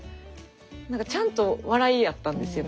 ちゃんと笑いやったんですよね